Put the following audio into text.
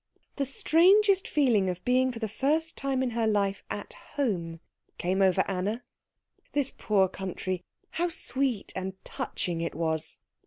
The strangest feeling of being for the first time in her life at home came over Anna. This poor country, how sweet and touching it was.